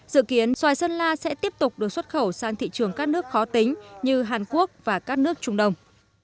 dự kiến xoài sơn la sẽ tiếp tục được xuất khẩu sang thị trường các nước khó tính như hàn quốc và các nước trung đông